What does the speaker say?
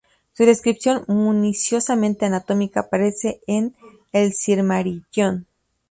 Su descripción minuciosamente anatómica aparece en "El Silmarillion".